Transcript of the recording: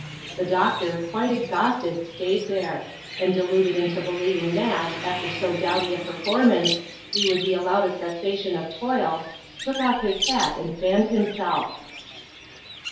The doctor, quite exhausted, stayed there ; and, deluded into believing that, after so doughty a performance, we would be allowed a cessation of toil, took off his hat, and fanned himself.